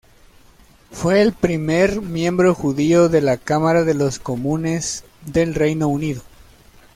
Fue el primer miembro judío de la Cámara de los Comunes del Reino Unido.